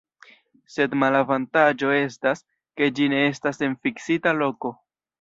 Sed malavantaĝo estas, ke ĝi ne estas en fiksita loko.